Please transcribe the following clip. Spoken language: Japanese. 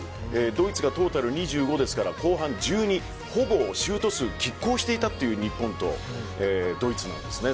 ドイツがトータルで２５ですから後半、急にほぼシュート数拮抗していたという日本とドイツなんですね。